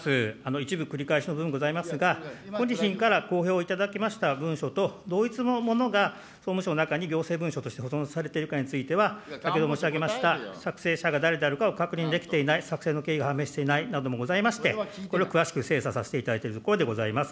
一部繰り返しの部分ございますが、小西委員から公表をいただきました文書と、同一のものが総務省の中に行政文書として保存されているかについては、先ほど申し上げた作成者が誰であるかを確認できていない、作成の経緯が判明していないなどもございまして、これを詳しく精査させていただいているところでございます。